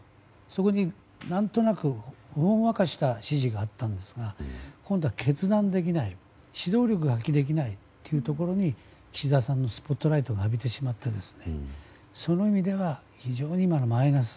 そこに何となく、ほんわかした支持があったんですが今度は決断できない、指導力を発揮できないというところに岸田さんがスポットライトを浴びてしまってその意味では、非常にマイナス。